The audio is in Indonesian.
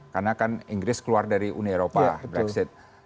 karena kan inggris keluar dari uni eropa brexit